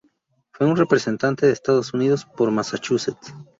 Fue un representante de Estados Unidos por Massachusetts.